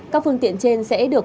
các phương tiện trên sẽ được